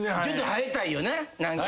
ちょっと生えたいよな。